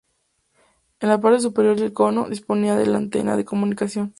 En la parte superior del cono, disponía de la antena de comunicación.